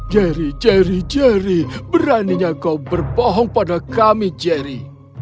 jerry jerry jerry beraninya kau berbohong pada kami jerry